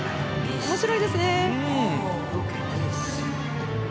面白いですね。